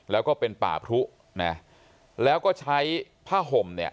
แล้วก็เป็นป่าพรุนะแล้วก็ใช้ผ้าห่มเนี่ย